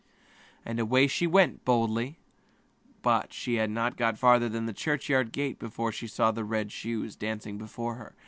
And so she went boldly on; but she had not got farther than the churchyard gate when she saw the red shoes dancing along before her.